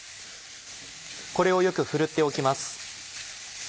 これをよくふるっておきます。